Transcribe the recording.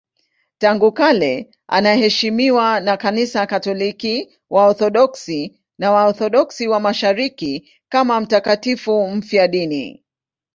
Tangu kale anaheshimiwa na Kanisa Katoliki, Waorthodoksi na Waorthodoksi wa Mashariki kama mtakatifu mfiadini.